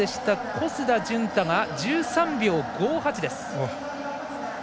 小須田潤太が１３秒５８です。